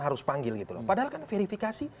harus panggil gitu loh padahal kan verifikasi